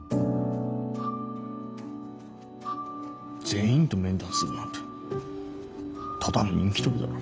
全員と面談するなんてただの人気取りだろ。